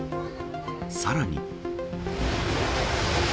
さらに。